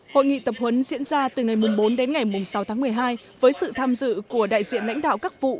hội nghị tập huấn diễn ra từ ngày bốn đến ngày sáu tháng một mươi hai với sự tham dự của đại diện lãnh đạo các vụ